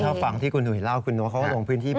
เพราะถ้าฟังที่คุณหนุ่ยเล่าคุณโน๊ตเขาก็ลงพื้นที่บ่อย